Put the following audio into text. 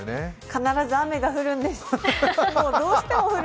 必ず雨が降るんです。